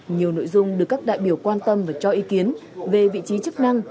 nhiều nội dung được các đại biểu quan tâm và cho ý kiến về vị trí chức năng